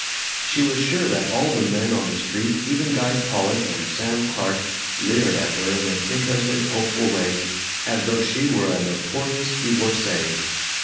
She was sure that all the men on the street, even Guy Pollock and Sam Clark, leered at her in an interested hopeful way, as though she were a notorious divorcee.